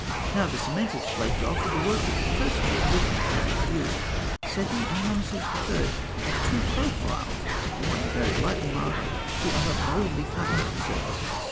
Now, the cement has flaked off, and the work of the first chisel is exposed to view. Seti I. and Rameses III. have each two profiles, the one very lightly marked, the other boldly cut into the surface of the stone (fig.